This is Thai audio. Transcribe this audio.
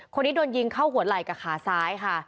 คนนี้โดนยิงเข้าหัวไหล่กับขาซ้ายค่ะ